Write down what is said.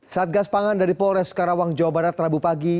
satgas pangan dari polres karawang jawa barat rabu pagi